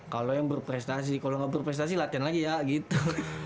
kalau yang berprestasi kalau nggak berprestasi latihan lagi ya gitu